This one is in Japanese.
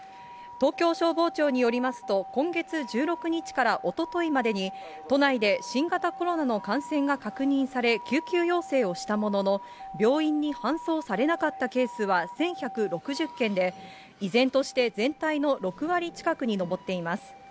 東京消防庁によりますと、今月１６日からおとといまでに、都内で新型コロナの感染が確認され、救急要請をしたものの、病院に搬送されなかったケースは１１６０件で、依然として全体の６割近くに上っています。